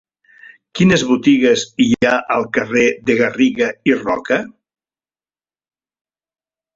Quines botigues hi ha al carrer de Garriga i Roca?